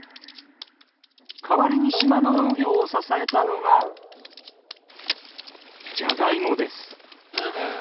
代わりに島の農業を支えたのがジャガイモです。